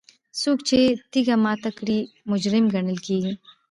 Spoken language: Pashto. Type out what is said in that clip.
څوک چې تیږه ماته کړي مجرم ګڼل کیږي.